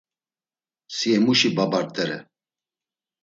Si emuşi baba rt̆ere.